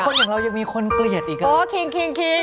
อย่างเรายังมีคนเกลียดอีกอ่ะ